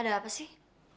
ada apa sih